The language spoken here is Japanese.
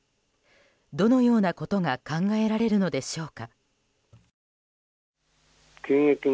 どのようなことが考えられるのでしょうか。